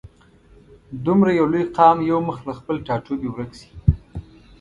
دومره یو لوی قام یو مخ له خپل ټاټوبي ورک شي.